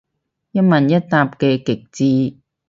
一問一答嘅極致